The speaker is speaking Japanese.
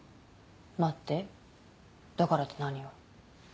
待ってだからって何を？